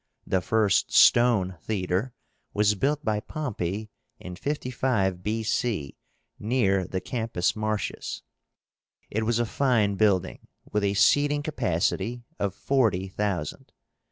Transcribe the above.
The first stone theatre was built by Pompey in 55 B. C., near the Campus Martius. It was a fine building, with a seating capacity of forty thousand.